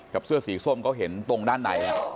เสื้อสีส้มเขาเห็นตรงด้านใน